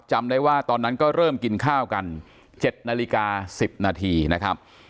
จำได้ว่าตอนนั้นก็เริ่มกินข้าวกัน๗นาฬิกา๑๐นาทีนะครับ